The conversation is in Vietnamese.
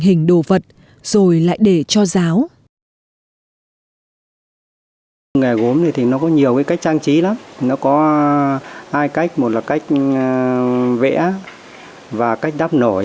hình đồ vật rồi lại để cho giáo